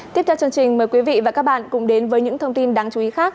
tiếp theo chương trình mời quý vị và các bạn cùng đến với những thông tin đáng chú ý khác